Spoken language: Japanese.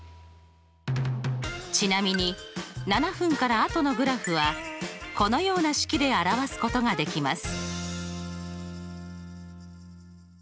ちなみに７分から後のグラフはこのような式で表すことができます。